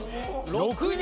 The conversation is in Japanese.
６人！？